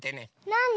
なに？